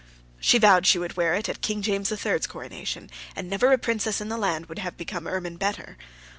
She vowed she would wear it at King James the Third's coronation, and never a princess in the land would have become ermine better.